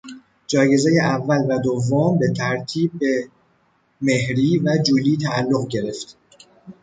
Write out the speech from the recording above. جایزهی اول و دوم به ترتیب به مهری و جولی تعلق گرفت.